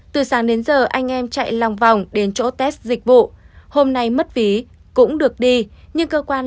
từ sáng đến giờ anh em chạy lòng vòng đến chỗ test dịch vụ hôm nay mất ví cũng được đi nhưng cơ quan